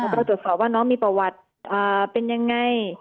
แล้วก็ตรวจสอบว่าน้องมีประวัติเป็นยังไง